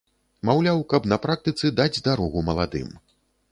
Маўляў, каб на практыцы даць дарогу маладым.